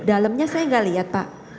dalamnya saya nggak lihat pak